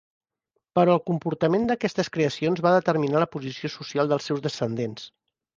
Però el comportament d'aquestes creacions va determinar la posició social dels seus descendents.